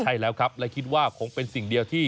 ใช่แล้วครับและคิดว่าคงเป็นสิ่งเดียวที่